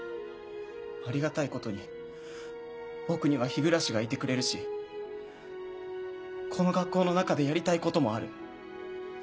ありがたいことに僕には日暮がいてくれるしこの学校の中でやりたいこともある。